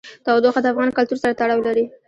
تودوخه د افغان کلتور سره تړاو لري.